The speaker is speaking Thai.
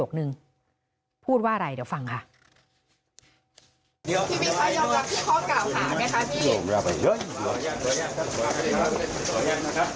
คุยกับตำรวจเนี่ยคุยกับตำรวจเนี่ย